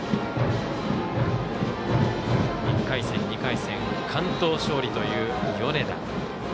１回戦、２回戦完投勝利という米田。